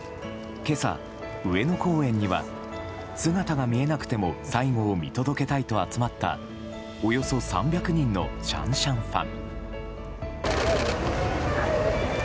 今朝、上野公園には姿が見えなくても最後を見届けたいと集まったおよそ３００人のシャンシャンファン。